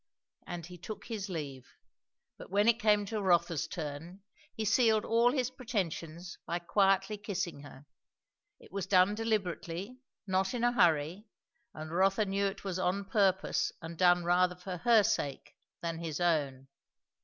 And he took leave. But when it came to Rotha's turn, he sealed all his pretensions by quietly kissing her; it was done deliberately, not in a hurry; and Rotha knew it was on purpose and done rather for her sake than his own.